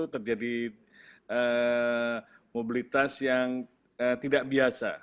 terjadi mobilitas yang tidak biasa